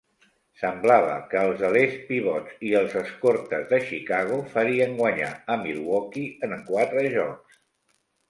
Semblava que els alers pivots i els escortes de Chicago farien guanyar a Milwaukee en quatre jocs.